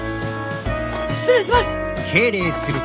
失礼します！